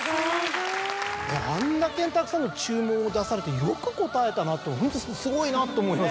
あんだけたくさんの注文を出されてよく応えたなとホントすごいなと思います。